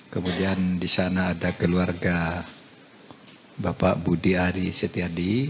kemudian disana ada keluarga bapak budi aris yadi